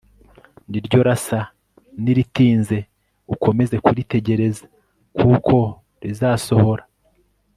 niyo ryasa n iritinze ukomeze kuritegereza kuko rizasohora